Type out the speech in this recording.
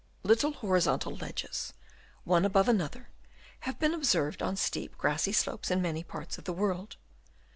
— Little horizontal ledges, one above another, have been observed on steep grassy slopes in many parts of the world.